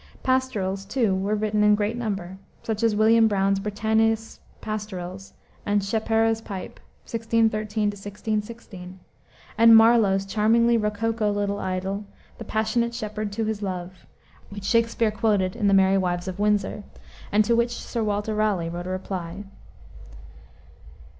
Pastorals, too, were written in great number, such as William Browne's Britannia's Pastorals and Shephera's Pipe (1613 1616) and Marlowe's charmingly rococo little idyl, The Passionate Shepherd to his Love, which Shakspere quoted in the Merry Wives of Windsor, and to which Sir Walter Raleigh wrote a reply.